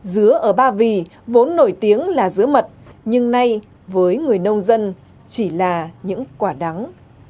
dứa ở ba vì vốn nổi tiếng là dứa mật nhưng nay với người nông dân chỉ là những quả đắng